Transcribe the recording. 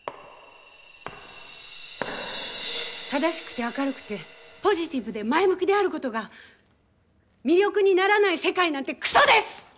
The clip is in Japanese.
正しくて明るくてポジティブで前向きであることが魅力にならない世界なんてくそです！